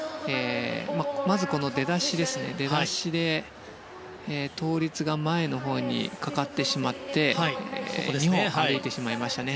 まず、出だしで倒立が前のほうにかかってしまって少し動いてしまいましたね。